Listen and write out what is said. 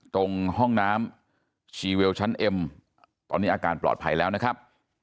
ตรงห้องน้ำชีเวลชั้นเอ็มตอนนี้อาการปลอดภัยแล้วนะครับ